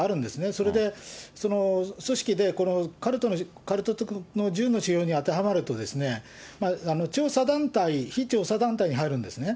それで、組織でこのカルトの１０の指標に当てはまると、調査団体、非調査団体に入るんですね。